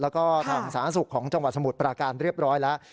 แล้วก็ทางสาธารณสุขของจังหวัดสมุทรปราการเรียบร้อยแล้ว